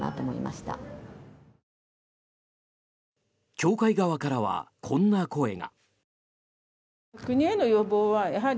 協会側からはこんな声が。